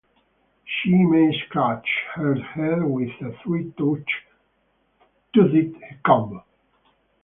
She may scratch her head with a three-toothed comb.